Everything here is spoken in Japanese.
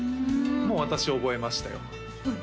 もう私覚えましたよ